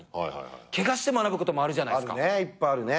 ケガして学ぶこともあるじゃないですか。